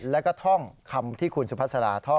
แล้วก็ท่องคำที่คุณสุภาษาท่อ